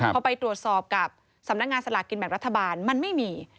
พอไปตรวจสอบกับสำนักงานสลากกินแบ่งรัฐบาลมันไม่มี